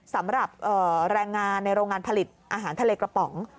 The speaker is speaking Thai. สำหรับแรงงานในโรงงานผลิตอาหารทะเลกระป๋อง